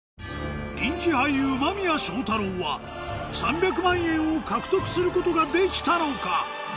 人気俳優間宮祥太朗は３００万円を獲得することができたのか？